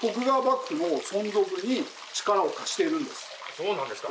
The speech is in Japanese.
そうなんですか。